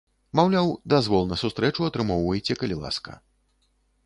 Маўляў, дазвол на сустрэчу атрымоўвайце, калі ласка.